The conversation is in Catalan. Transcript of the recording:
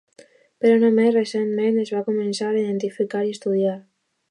Però només recentment es va començar a identificar i estudiar.